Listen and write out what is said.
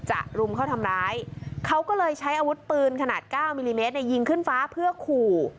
รุมเขาทำร้ายเขาก็เลยใช้อาวุธปืนขนาด๙มิลลิเมตรยิงขึ้นฟ้าเพื่อขู่